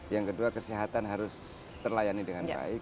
yang kedua kesehatan harus terlayani dengan baik